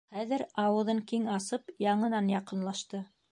Хәҙер ауыҙын киң асып яңынан яҡынлашты.